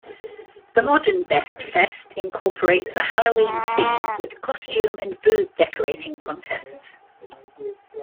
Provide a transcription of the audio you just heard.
The modern Best Fest incorporates a Halloween theme with costume and booth-decorating contests.